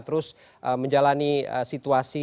terus menjalani situasi